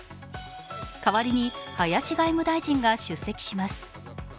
代わりに林外務大臣が出席します。